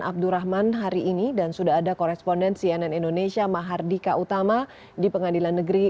abdurrahman hari ini dan sudah ada koresponden cnn indonesia mahardika utama di pengadilan negeri